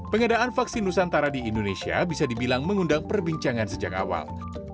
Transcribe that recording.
pengadaan vaksin nusantara di indonesia bisa dibilang mengundang perbincangan sejak awal